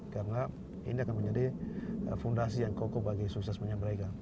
karena ini akan menjadi fundasi yang koko bagi suksesnya mereka